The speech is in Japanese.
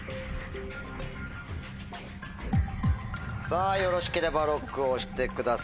さぁよろしければＬＯＣＫを押してください。